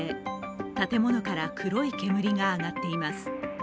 建物から黒い煙が上がっています。